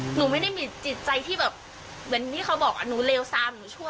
หนูไม่ได้มีจิตใจที่แบบเหมือนที่เขาบอกหนูเลวซามหนูช่วย